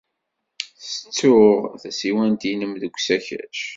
Tettud tasiwant-nnem deg usakac.